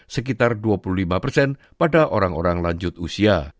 sekitar dua puluh lima persen pada orang orang lanjut usia